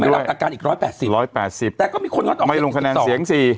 เขาไม่รับหลักการอีกร้อยแปดสิบร้อยแปดสิบแต่ก็มีคนไม่ลงคะแนนเสียงสี่